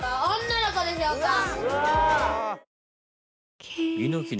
女の子でしょうか？